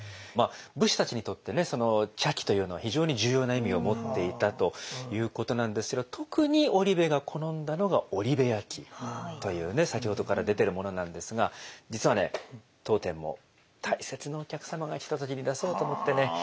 まあ武士たちにとって茶器というのは非常に重要な意味を持っていたということなんですけど特に織部が好んだのが先ほどから出てるものなんですが実は当店も大切なお客様が来た時に出そうと思ってね。